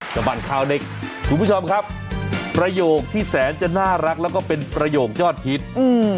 บัดข่าวเด็กคุณผู้ชมครับประโยคที่แสนจะน่ารักแล้วก็เป็นประโยคยอดฮิตอืม